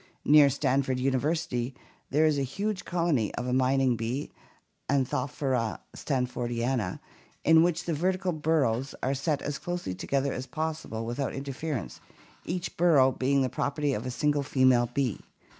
Near Stanford University there is a huge colony of a mining bee, Anthophora stanfordiana, in which the vertical burrows are set as closely together as possible without interference, each burrow being the property of a single female bee.